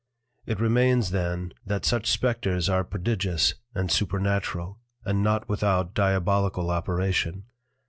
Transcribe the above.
It remains then that such Spectres are Prodigious and Supernatural, and not without Diabolical Operation.